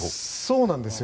そうなんですよ。